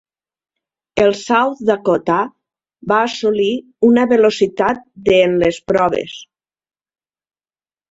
El "South Dakota" va assolir una velocitat de en les proves.